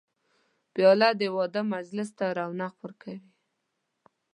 پیاله د واده مجلس ته رونق ورکوي.